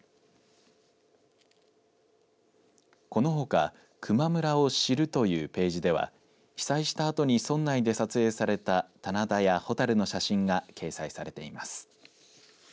このほか球磨村を知るというページでは被災したあとに村内で撮影された棚田や蛍の写真が掲載されています。